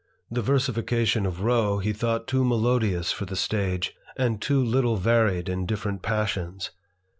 The versification of Rowe he thought too melodious for the stage, and too httle varied in different passions.